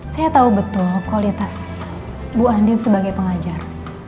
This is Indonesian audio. saya tahu betul kualitas bu andi sebagai pengajar